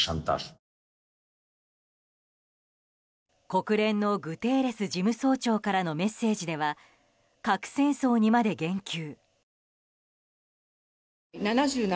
国連のグテーレス事務総長からのメッセージでは核戦争にまで言及。